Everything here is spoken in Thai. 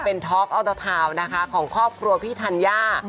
เป็นท็อกเอาเตอร์ทาวน์นะคะของครอบครัวพี่ธัญญา